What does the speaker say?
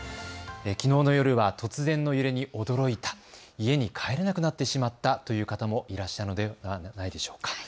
きのうの夜は突然の揺れに驚いた、家に帰れなくなってしまったという方もいらっしゃるのではないでしょうか。